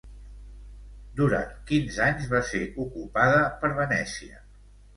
Durant quins anys va ser ocupada per Venècia?